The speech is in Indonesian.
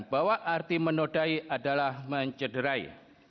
bahwa arti menodai adalah mencederai